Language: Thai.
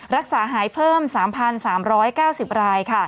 รักษาหายเพิ่ม๓๓๙๐ราย